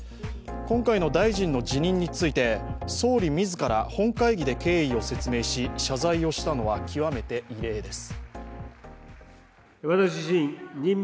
今回の大臣の辞任について総理自ら本会議で経緯を説明し謝罪をしたのは極めて異例です。